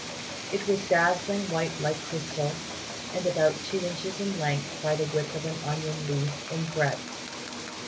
It was dazzlingly white like crystal, and about two inches in length by the width of an onion leaf in breadth.